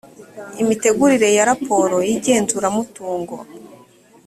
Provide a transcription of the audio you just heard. imitegurire ya raporo y igenzuramutungo